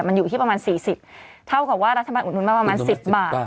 มันอยู่ที่ประมาณ๔๐เท่ากับว่ารัฐบาลอุดนุนมาประมาณ๑๐บาท